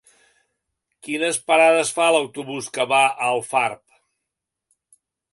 Quines parades fa l'autobús que va a Alfarb?